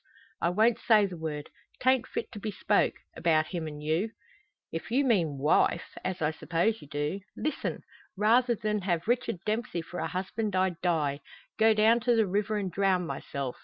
"I won't say the word. 'Tain't fit to be spoke about him an' you." "If you mean wife as I suppose you do listen! Rather than have Richard Dempsey for a husband, I'd die go down to the river and drown myself!